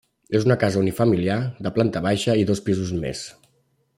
És una casa unifamiliar de planta baixa i dos pisos més.